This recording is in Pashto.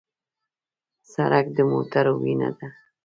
سړک د موټرو وینه ده.